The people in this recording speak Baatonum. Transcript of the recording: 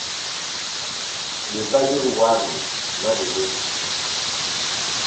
Yè ba yoruan manibu.